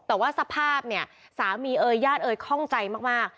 แต่ว่าสภาพเนี่ยสามีเอ่ยญาติเอ่ยข้องใจมาก